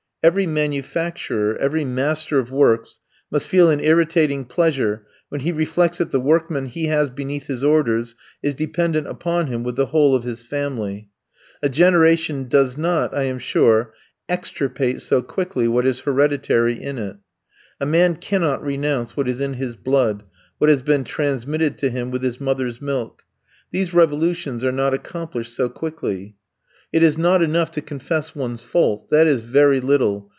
Every manufacturer, every master of works, must feel an irritating pleasure when he reflects that the workman he has beneath his orders is dependent upon him with the whole of his family. A generation does not, I am sure, extirpate so quickly what is hereditary in it. A man cannot renounce what is in his blood, what has been transmitted to him with his mother's milk; these revolutions are not accomplished so quickly. It is not enough to confess one's fault. That is very little!